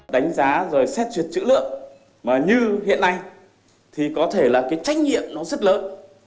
đánh giá rồi xét truyền chữ lượng như hiện nay thì có thể là trách nhiệm rất lớn